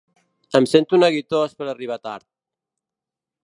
Em sento neguitós per arribar tard.